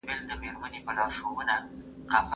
له تخته راغلم د بې کورو محتاج سومه